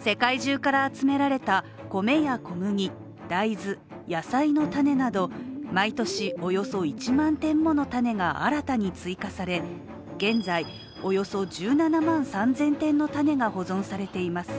世界中から集められた米や小麦、大豆野菜の種など、毎年およそ１万点もの種が新たに追加され現在、およそ１７万３０００点の種が保存されています。